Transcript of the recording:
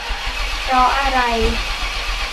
เพราะอะไร